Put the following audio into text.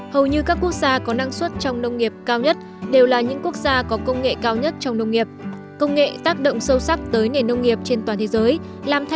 hầu như các quốc gia có năng suất trong nông nghiệp cao nhất